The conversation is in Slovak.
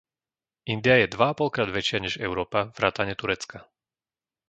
India je dvaapolkrát väčšia než Európa vrátane Turecka.